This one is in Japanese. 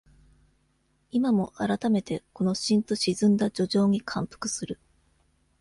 今も、改めて、このしんと沈んだ抒情に感服する。